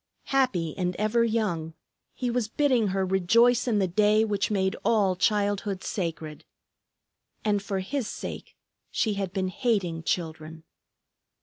Happy and ever young, he was bidding her rejoice in the day which made all childhood sacred. And for his sake she had been hating children!